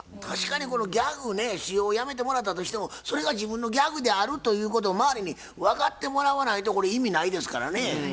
確かにこのギャグね使用をやめてもらったとしてもそれが自分のギャグであるということを周りに分かってもらわないとこれ意味ないですからね。